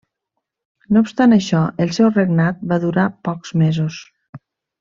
No obstant això, el seu regnat va durar pocs mesos.